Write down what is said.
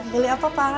beli apa pak